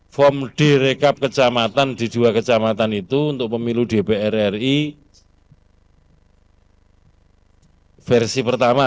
form direkap kecamatan di dua kecamatan itu untuk pemilu dpr ri versi pertama